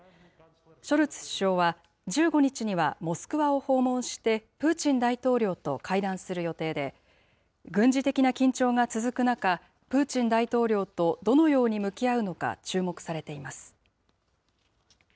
ショルツ首相は、１５日にはモスクワを訪問して、プーチン大統領と会談する予定で、軍事的な緊張が続く中、プーチン大統領とどのように向き合うのか注目されています。